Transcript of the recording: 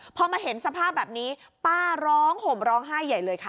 พอมาเห็นสภาพแบบนี้ป้าร้องห่มร้องไห้ใหญ่เลยค่ะ